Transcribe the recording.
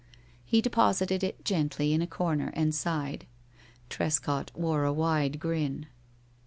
He deposited it gently in a corner, and sighed. Trescott wore a wide grin.